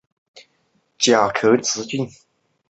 甲壳直径。